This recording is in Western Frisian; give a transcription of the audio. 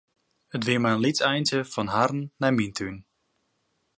It wie mar in lyts eintsje fan harren nei myn tún.